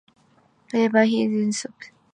However, he did not stop.